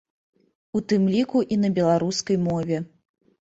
У тым ліку і на беларускай мове.